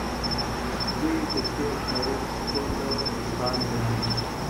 دوی د تېر تاریخ ټوله پانګه نه مني.